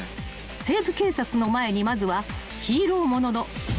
［『西部警察』の前にまずはヒーロー物の］